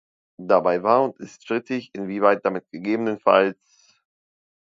Dabei war und ist strittig, inwieweit damit ggf.